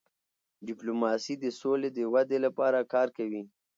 ډيپلوماسي د سولې د ودی لپاره کار کوي.